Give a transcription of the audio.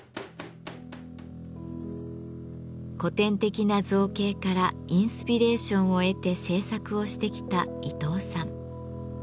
古典的な造形からインスピレーションを得て制作をしてきた伊藤さん。